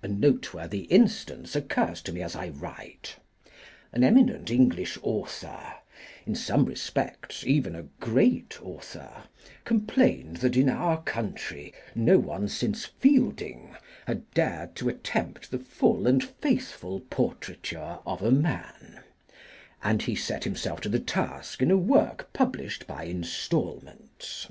A noteworthy instance occurs to me as I write. An eminent English author, in some respects even a great author, complained that in our country no one since Fielding had dared to attempt the full and faithful portraiture of a man, and he set himself to the task in a work published by instalments.